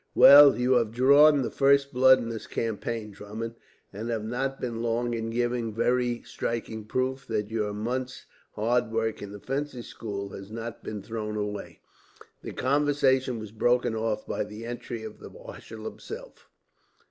"Well, you have drawn the first blood in this campaign, Drummond; and have not been long in giving very striking proof that your month's hard work in the fencing school has not been thrown away." The conversation was broken off by the entry of the marshal, himself.